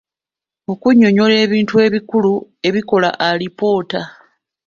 Okunnyonnyola ebintu ebikulu ebikola alipoota.